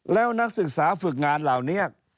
แล้วนักศึกษาฝึกงานเหล่านี้